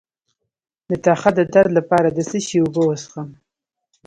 د تخه د درد لپاره د څه شي اوبه وڅښم؟